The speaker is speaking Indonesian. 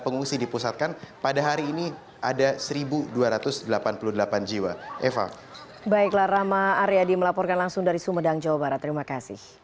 pengungsi dipusatkan pada hari ini ada satu dua ratus delapan puluh delapan jiwa